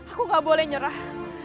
aku gapoleh nyerah